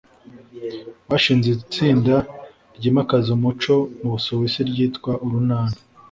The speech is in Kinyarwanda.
bashinze Itsinda ryimakaza Umuco mu Busuwisi ryitwa Urunana